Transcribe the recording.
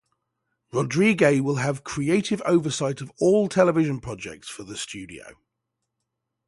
Rodrigue will have creative oversight of all television projects for the studio.